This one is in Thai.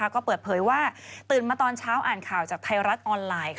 ก็เปิดเผยว่าตื่นมาตอนเช้าอ่านข่าวจากไทยรัฐออนไลน์